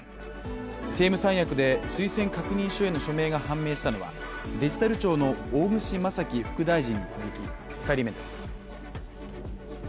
政務三役で推薦確認書への署名が判明したのはデジタル庁の大串正樹副大臣に続き２人目です。